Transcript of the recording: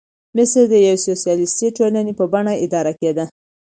مصر د یوې سوسیالیستي ټولنې په بڼه اداره کېده.